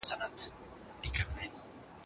که اسټروېډونو ته پام وشي، خطر کمېږي.